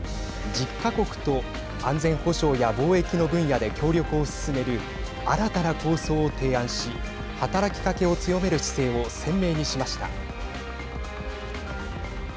１０か国と安全保障や貿易の分野で協力を進める新たな構想を提案し働きかけを強める姿勢を鮮明にしました。